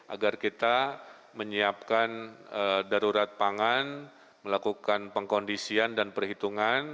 agar kita menyiapkan darurat pangan melakukan pengkondisian dan perhitungan